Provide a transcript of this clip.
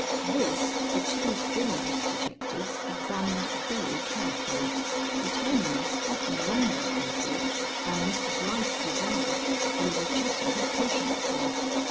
This the two foremost detectives examined very carefully, detaining us often longer, I thought, than Mr. Gryce desired or Lucetta had patience for.